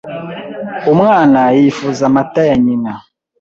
Umwana yifuza amata ya nyina.